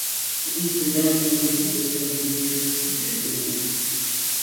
The eastern boundary of the district is the River Lea.